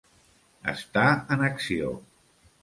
Estar en acció.